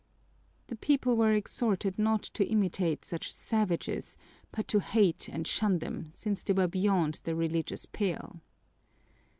The people were exhorted not to imitate such "savages" but to hate and shun them, since they were beyond the religious pale.